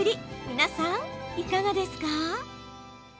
皆さん、いかがですか？